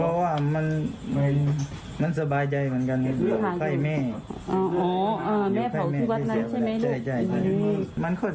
ล้างความว่ามันเหมือนมันสบายใจเหมือนกัน